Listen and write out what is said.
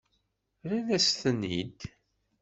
Rran-asen-ten-id.